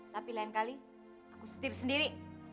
tapi lain kali aku setip sendiri